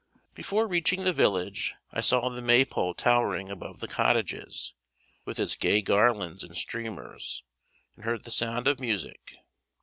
Before reaching the village, I saw the May pole towering above the cottages, with its gay garlands and streamers, and heard the sound of music.